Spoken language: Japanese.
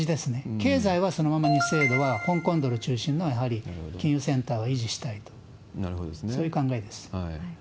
経済はそのまま二制度が、香港ドル中心の、やはり金融センターを維持したいと、そういう考えです。